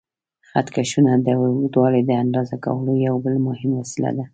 خط کشونه د اوږدوالي د اندازه کولو یو بل مهم وسیله ده.